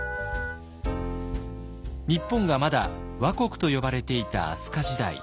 日本がまだ倭国と呼ばれていた飛鳥時代。